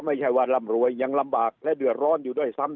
ไม่ใช่ว่าร่ำรวยยังลำบากและเดือดร้อนอยู่ด้วยซ้ำ